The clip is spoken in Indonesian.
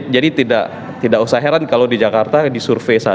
jadi tidak usah heran kalau di jakarta disurvey saja